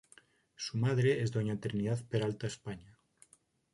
Su madre es doña Trinidad Peralta España.